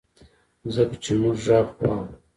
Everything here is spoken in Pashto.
ځکه چي مونږ ږغ واورو